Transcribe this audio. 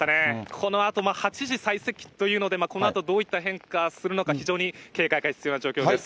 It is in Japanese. このあと８時最接近というので、このあとどういった変化するのか非常に警戒が必要な状況です。